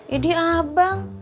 ya dia abang